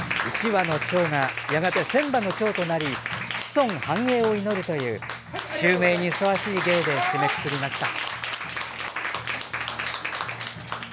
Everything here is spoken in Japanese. １羽のちょうがやがて千羽のちょうとなり子孫繁栄を祈るという襲名にふさわしい芸で締めくくりました。